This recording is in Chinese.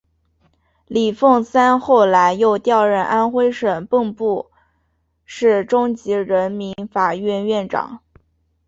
李奉三后来又调任安徽省蚌埠市中级人民法院院长。